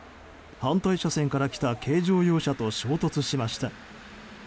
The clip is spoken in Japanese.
反対車線から来た軽乗用車と衝突しました。